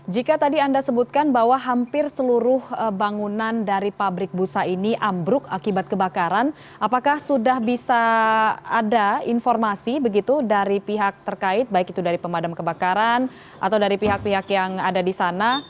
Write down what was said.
jika tadi anda sebutkan bahwa hampir seluruh bangunan dari pabrik busa ini ambruk akibat kebakaran apakah sudah bisa ada informasi begitu dari pihak terkait baik itu dari pemadam kebakaran atau dari pihak pihak yang ada di sana